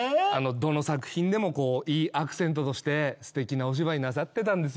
どの作品でもいいアクセントとしてすてきなお芝居なさってたんですよ。